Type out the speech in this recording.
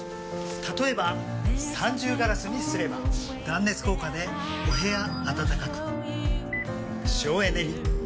例えば三重ガラスにすれば断熱効果でお部屋暖かく省エネに。